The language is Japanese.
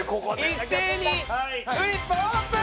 一斉にフリップオープン！